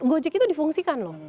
gojek itu difungsikan loh